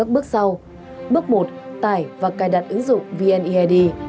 bước một tải và cài đặt ứng dụng vnead